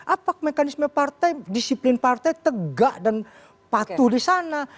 apa mekanisme partai disiplin partai tegak dan patuh di sana